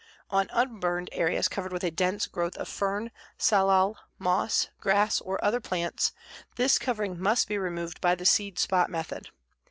On unburned areas covered with a dense growth of fern, salal, moss, grass, or other plants, this covering must be removed by the seed spot method.